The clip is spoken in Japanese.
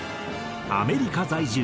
アメリカ在住。